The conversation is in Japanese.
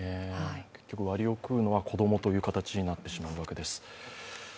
結局、割を食うのは子供という形になってしまうわけです。